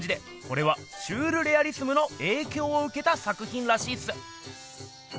これはシュールレアリスムのえいきょうをうけた作品らしいっす。